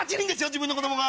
自分の子供が。